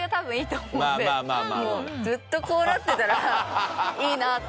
ずっとこうなってたらいいなって。